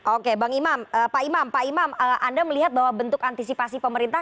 oke bang imam pak imam pak imam anda melihat bahwa bentuk antisipasi pemerintah